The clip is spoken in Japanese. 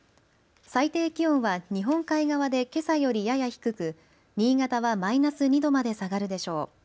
最低気温は日本海側でけさよりやや低く新潟はマイナス２度まで下がるでしょう。